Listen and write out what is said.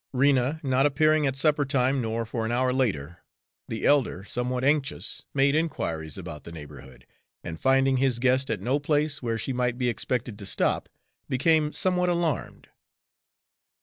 Rena not appearing at supper time nor for an hour later, the elder, somewhat anxious, made inquiries about the neighborhood, and finding his guest at no place where she might be expected to stop, became somewhat alarmed.